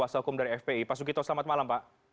per hari ini kegiatan itu akan